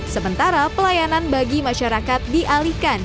sementara pelayanan bagi masyarakat dialihkan